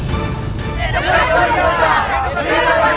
hidup waringin boja